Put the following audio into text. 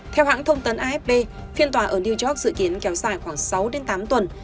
theo hãng thông tấn afp phiên tòa ở new york dự kiến kéo dài khoảng sáu đến tám tuần